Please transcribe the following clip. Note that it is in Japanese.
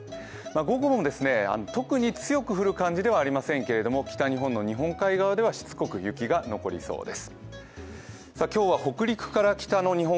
午後も特に強く降る感じではありませんけれども、北日本の日本海側ではしつこく雪が残りそうです。